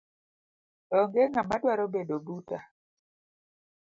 Onge ngama dwaro bedo buta